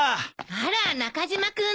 あら中島君の。